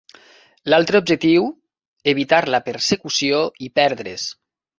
L"altre objectiu, evitar la persecució i perdre"s.